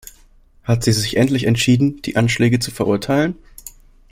Hat sie sich endlich entschieden, die Anschläge zu verurteilen?